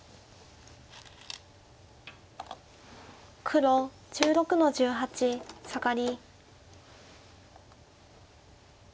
黒１６の十八サガリ。